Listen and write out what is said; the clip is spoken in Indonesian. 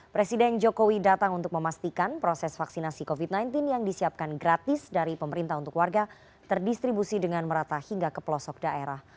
presiden jokowi datang untuk memastikan proses vaksinasi covid sembilan belas yang disiapkan gratis dari pemerintah untuk warga terdistribusi dengan merata hingga ke pelosok daerah